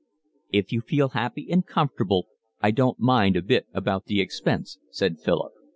"If you feel happy and comfortable I don't mind a bit about the expense," said Philip.